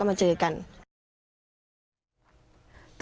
ไม่ตั้งใจครับ